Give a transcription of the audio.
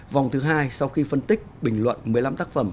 vòng thứ hai sau khi phân tích bình luận một mươi năm tác phẩm